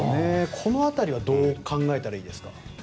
この辺りはどう考えたらいいですか。